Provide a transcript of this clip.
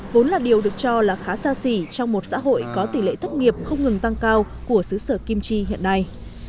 vốn là điều được cho là khá xa xỉ trong một xã hội có tỷ lệ thất nghiệp không ngừng tăng cao của xứ sở kim chi hiện nay